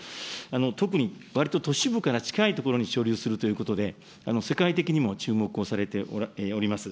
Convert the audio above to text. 特にわりと都市部から近い所に貯留するということで、世界的にも注目をされております。